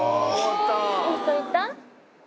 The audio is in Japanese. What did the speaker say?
いい人いた？